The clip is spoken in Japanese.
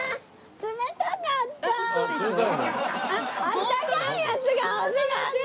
あったかいやつが欲しかった！